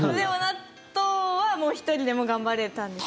納豆は１人でも頑張れたんですよ。